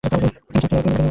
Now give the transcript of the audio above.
Sir, কী নিব?